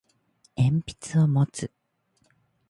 鉛筆を持つ